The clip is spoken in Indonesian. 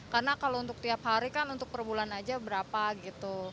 karena kalau untuk tiap hari kan untuk per bulan aja berapa gitu